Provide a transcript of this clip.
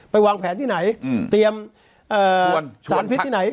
วางแผนที่ไหนเตรียมสารพิษที่ไหน